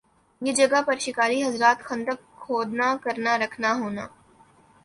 یِہ جگہ پر شکاری حضرات خندق کھودنا کرنا رکھنا ہونا